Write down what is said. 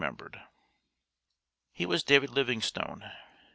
He was David Livingstone.